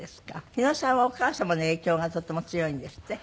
日野さんはお母様の影響がとっても強いんですって？